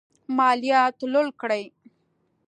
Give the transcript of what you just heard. مالیات لوړ کړي.